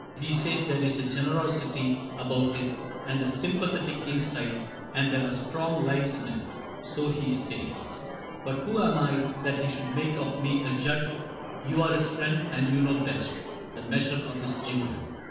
He says there is a ^ generosity ' About it, and a ^ sympathetic insight ;' And there are strong lines in it, so he says. But who am I that he should make of me A judge ? You are his friend, and you know best The measure of his jingle.